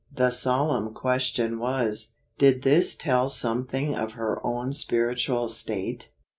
99 The solemn question was, Did this tell some¬ thing of her own spiritual state